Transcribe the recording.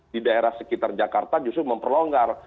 di daerah sekitar jakarta justru memperlonggar